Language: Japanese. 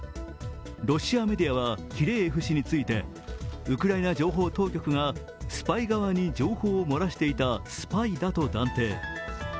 ロシアメディアはキレーエフ氏についてウクライナ情報当局がスパイ側に情報を漏らしていたスパイだと断定。